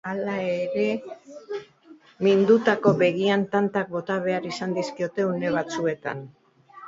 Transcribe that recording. Hala ere, mindutako begian tantak bota behar izan dizkiote une batzuetan.